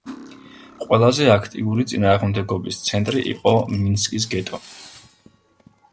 ყველაზე აქტიური წინააღმდეგობის ცენტრი იყო მინსკის გეტო.